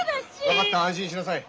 分かった安心しなさい。